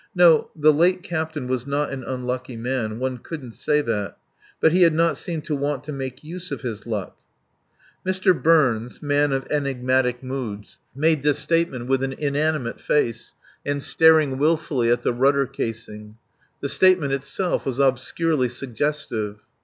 No, the late captain was not an unlucky man. One couldn't say that. But he had not seemed to want to make use of his luck. Mr. Burns man of enigmatic moods made this statement with an inanimate face and staring wilfully at the rudder casing. The statement itself was obscurely suggestive.